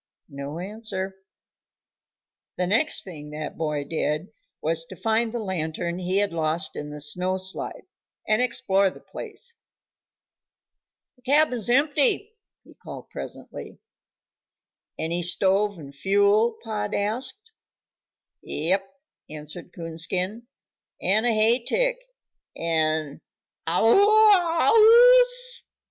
No answer. The next thing that boy did was to find the lantern he had lost in the snow slide, and explore the place. "The cabin's empty," he called presently. "Any stove and fuel?" Pod asked. "Yep," answered Coonskin, "and a hay tick, and waow w w w!!!